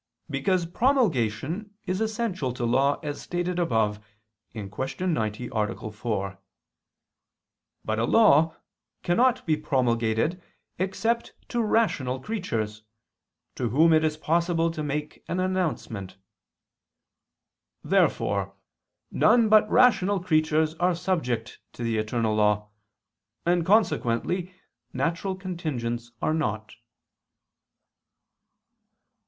Because promulgation is essential to law, as stated above (Q. 90, A. 4). But a law cannot be promulgated except to rational creatures, to whom it is possible to make an announcement. Therefore none but rational creatures are subject to the eternal law; and consequently natural contingents are not.